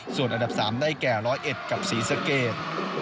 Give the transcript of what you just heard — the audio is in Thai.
ส่วนอันดับ๓ได้แก่ร้อยเอ็ดกับศรีสะเกด